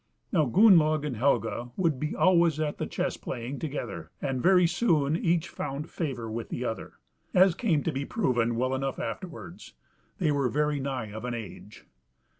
Now Gunnlaug and Helga would be always at the chess playing together, and very soon each found favour with the other, as came to be proven well enough afterwards: they were very nigh of an age.